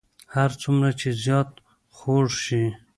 هر څومره چې زیات خوږ شي.